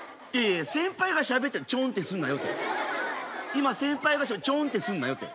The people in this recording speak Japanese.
今先輩がちょんってすんなよて。